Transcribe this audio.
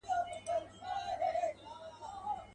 په دريو مياشتو كي به ډېر كم بې لاسونو.